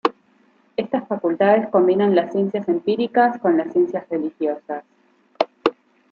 Estas facultades combinan las ciencias empíricas con las ciencias religiosas.